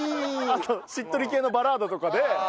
あとしっとり系のバラードとかで。